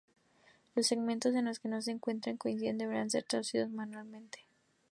Los segmentos en los que no encuentran coincidencias deberán ser traducidos manualmente.